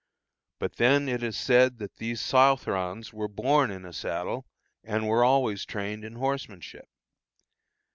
But then it is said that these Southrons were born in a saddle, and were always trained in horsemanship.